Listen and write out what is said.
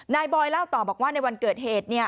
บอยเล่าต่อบอกว่าในวันเกิดเหตุ